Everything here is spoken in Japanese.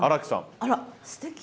あらすてき！